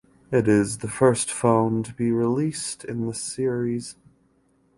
It is the first phone to be released in the series.